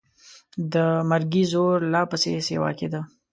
د مرګي زور لا پسې سیوا کېده.